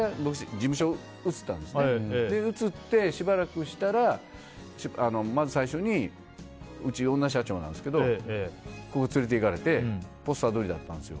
事務所移って、しばらくしたらまず最初にうち女社長なんですけど連れていかれてポスター撮りだったんですよ。